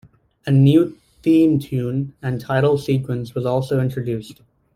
A new theme tune and title sequence was also introduced.